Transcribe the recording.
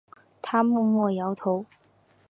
他默默摇头